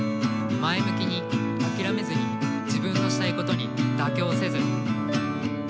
前向きに諦めずに自分のしたいことに妥協せず。